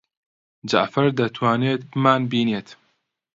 جەعفەر دەتوانێت بمانبینێت؟